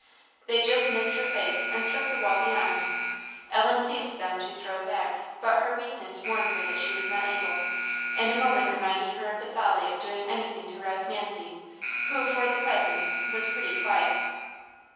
They just missed her face, and struck the wall beyond. Ellen seized them to throw back, but her weakness warned her she was not able, and a moment reminded her of the folly of doing anything to rouse Nancy, who, for the present, was pretty quiet.